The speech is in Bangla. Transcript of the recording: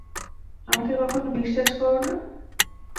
আমাকে কখনো বিশ্বাস কর না?